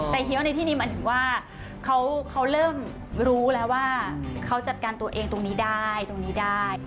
แต่เฮียวในที่นี้หมายถึงว่าเขาเริ่มรู้แล้วว่าเขาจัดการตัวเองตรงนี้ได้ตรงนี้ได้